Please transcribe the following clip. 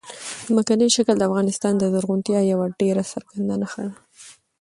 ځمکنی شکل د افغانستان د زرغونتیا یوه ډېره څرګنده نښه ده.